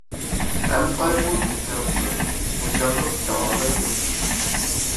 غەم-قايغۇ كېسەل قىلىدۇ، خۇشاللىق داۋالايدۇ.